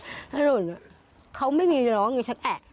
ถ้าหล่นเขาไม่มีร้องอย่างนี้สักแอบ